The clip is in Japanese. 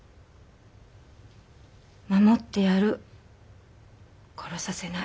守ってやる殺させない。